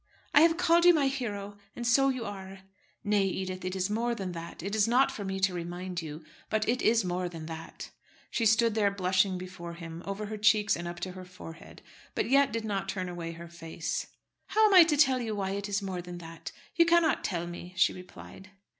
"I have called you my hero, and so you are." "Nay, Edith, it is more than that. It is not for me to remind you, but it is more than that." She stood there blushing before him, over her cheeks and up to her forehead; but yet did not turn away her face. "How am I to tell you why it is more than that? You cannot tell me," she replied.